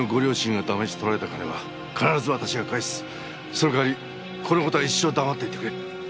その代わりこの事は一生黙っていてくれ。